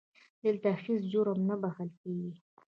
دلته هیڅ جرم نه بښل کېږي.